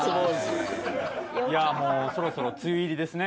いやあもうそろそろ梅雨入りですね。